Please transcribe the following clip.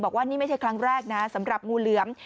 บอกว่านี่ไม่ใช่ครั้งแรกนะสำหรับงูเหลือม